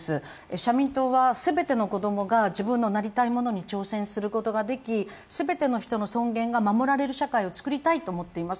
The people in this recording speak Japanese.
社民党は全ての若者に自分のなりたいものに挑戦することができ全ての人の尊厳が守られる社会を作りたいといっています